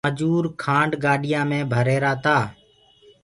مجوٚر کآنڊ گاڏيآنٚ مي ڀر رهيرآ تآ۔